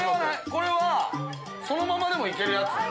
これはそのままでも行けるやつ？